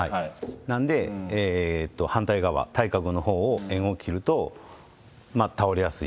なので、反対側、対角のほうをえんを切ると、倒れやすい。